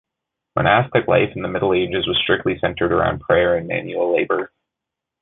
Monastic life in the Middle Ages was strictly centered around prayer and manual labor.